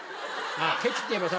ケチっていえばさ